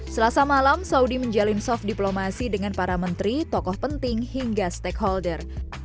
selasa malam saudi menjalin soft diplomasi dengan para menteri tokoh penting hingga stakeholder